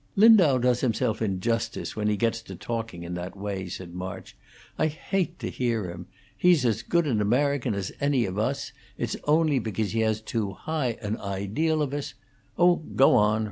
"Lindau does himself injustice when he gets to talking in that way," said March. "I hate to hear him. He's as good an American as any of us; and it's only because he has too high an ideal of us " "Oh, go on!